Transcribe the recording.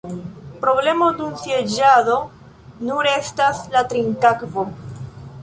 Problemo dum sieĝado nur estas la trinkakvo.